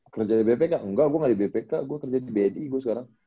kerja di bpk enggak gue gak di bpk gue kerja di bni gue sekarang